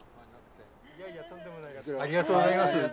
ありがとうございます。